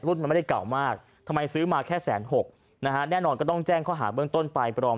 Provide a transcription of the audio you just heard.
มันไม่ได้เก่ามากทำไมซื้อมาแค่แสนหกนะฮะแน่นอนก็ต้องแจ้งข้อหาเบื้องต้นไปปลอม